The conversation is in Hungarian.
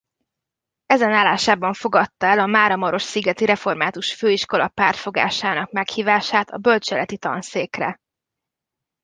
Ezen állásában fogadta el a máramarosszigeti református főiskola pártfogásának meghívását a bölcseleti tanszékre.